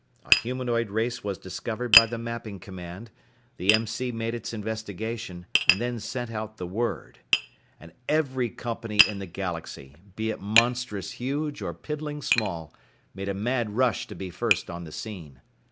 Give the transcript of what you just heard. A humanoid race was discovered by the Mapping Command, the M.C. made its investigation, and then sent out the Word. And every company in the Galaxy, be it monstrous huge or piddling small, made a mad rush to be first on the scene.